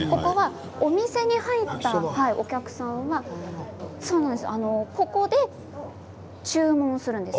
お店に入ったお客さんはここで注文するんです。